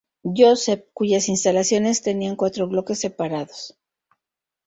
Joseph cuyas instalaciones tenían cuatro bloques separados.